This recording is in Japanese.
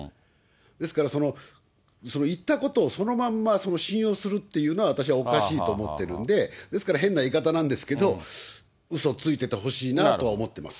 ですから、言ったことをそのまんま、その信用するっていうのは、私はおかしいと思ってるんで、ですから変な言い方なんですけど、うそついててほしいなとは思ってます。